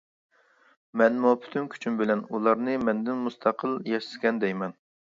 مەنمۇ پۈتۈن كۈچۈم بىلەن ئۇلارنى مەندىن مۇستەقىل ياشىسىكەن، دەيمەن.